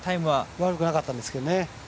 悪くなかったんですけどね。